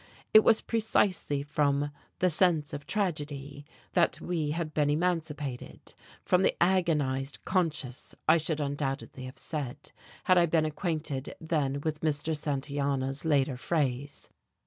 It was precisely from "the sense of tragedy" that we had been emancipated: from the "agonized conscience," I should undoubtedly have said, had I been acquainted then with Mr. Santayana's later phrase.